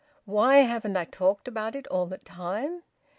Why haven't I talked about it all the time?